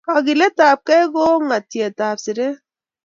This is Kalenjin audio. Kagiletab gei ko ung'otiet ab siret